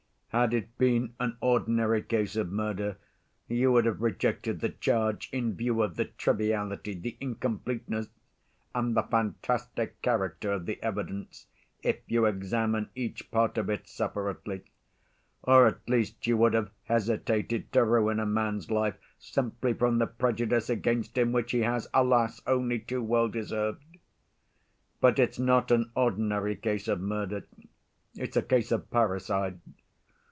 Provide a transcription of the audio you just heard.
Had it been an ordinary case of murder you would have rejected the charge in view of the triviality, the incompleteness, and the fantastic character of the evidence, if you examine each part of it separately; or, at least, you would have hesitated to ruin a man's life simply from the prejudice against him which he has, alas! only too well deserved. But it's not an ordinary case of murder, it's a case of parricide.